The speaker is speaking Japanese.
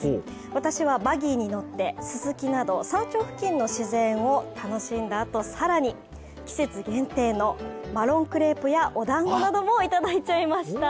私はバギーに乗ってススキなど山頂付近の自然を楽しんだあと、更に、季節限定のマロンクレープやお団子などもいただいちゃいました。